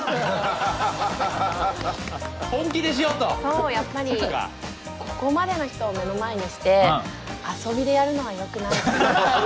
そうやっぱりここまでの人を目の前にして遊びでやるのはよくないかな。